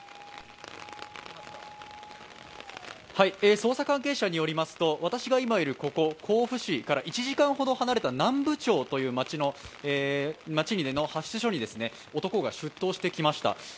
捜査関係者によりますと、私が今いるここ、甲府市から１時間ほど離れた南部町という町の派出所に男が出頭してきました。